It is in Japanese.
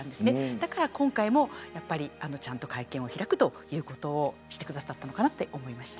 だから、今回もちゃんと会見を開くということをしてくださったのかなと思いました。